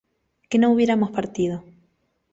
que no hubiéramos partido